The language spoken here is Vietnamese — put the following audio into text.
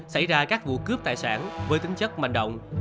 xảy ra các vụ cướp tài sản với tính chất manh động